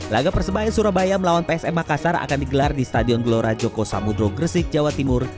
laga persebaya surabaya melawan psm makassar akan digelar di stadion gelora joko samudro gresik jawa timur